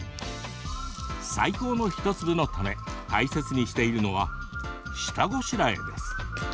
最高の１粒のため大切にしているのは下ごしらえです。